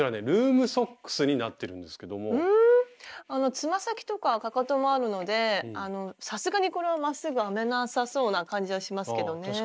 つま先とかかかともあるのでさすがにこれはまっすぐ編めなさそうな感じはしますけどね。